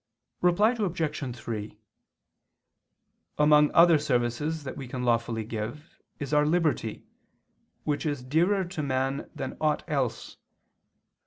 Reply Obj. 3: Among other services that we can lawfully give, is our liberty, which is dearer to man than aught else.